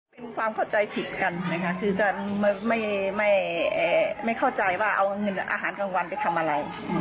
เป็นความเข้าใจผิดกันนะคะคือการไม่เข้าใจว่าเอาเงินอาหารกลางวันไปทำอะไร